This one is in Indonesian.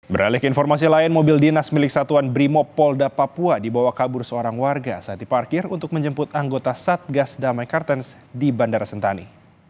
beralik informasi lain mobil dinas milik satuan brimopolda papua dibawa kabur seorang warga saat diparkir untuk menjemput anggota satgas damai kartens di bandara sentani